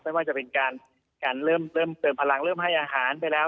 ไม่ว่าจะเป็นการเริ่มเติมพลังเริ่มให้อาหารไปแล้ว